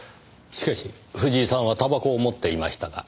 しかし藤井さんは煙草を持っていましたが。